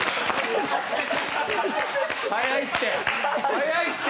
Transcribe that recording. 早いって。